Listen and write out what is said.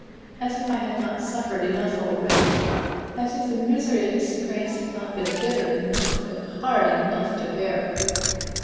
As if I had not suffered enough already; as if the misery and disgrace had not been bitter enough and hard enough to bear."